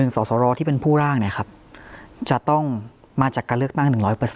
สสรที่เป็นผู้ร่างจะต้องมาจากการเลือกตั้ง๑๐๐